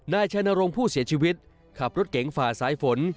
นายชัยนรงค์ผู้เสียชีวิตขับรถเก๋งฝ่าสายฝน